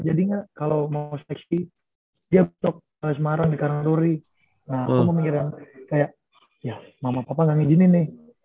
jadi gak kalau mau seleksi dia besok di semarang di karangturi nah aku mau mikir yang kayak ya mama papa gak ngijinin nih